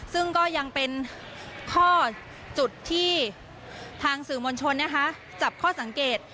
ซึ่งก็ยังเป็นข้อจุดที่ทางสื่อมวลชนนะคะจับข้อสังเกต